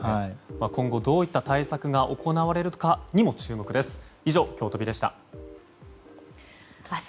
今後、どういった対策が行われるかにも注目です。